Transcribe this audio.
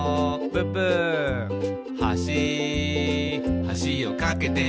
「はしはしを架けてみた」